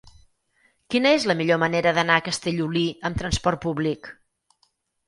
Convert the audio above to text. Quina és la millor manera d'anar a Castellolí amb trasport públic?